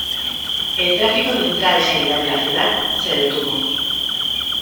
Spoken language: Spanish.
El tráfico de entrada y salida de la ciudad se detuvo.